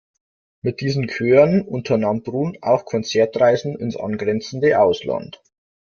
Mit diesen Chören unternahm Brun auch Konzertreisen ins angrenzende Ausland.